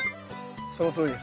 そのとおりです。